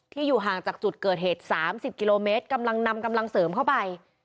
อยู่ห่างจากจุดเกิดเหตุ๓๐กิโลเมตรกำลังนำกำลังเสริมเข้าไป